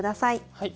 はい。